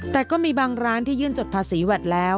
แต่ก็มีบางร้านที่ยื่นจดภาษีแวดแล้ว